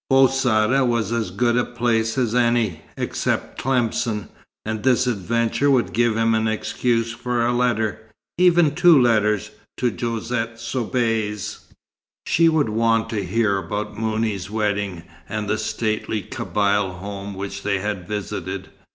Bou Saada was as good a place as any, except Tlemcen, and this adventure would give him an excuse for a letter, even two letters, to Josette Soubise. She would want to hear about Mouni's wedding, and the stately Kabyle home which they had visited.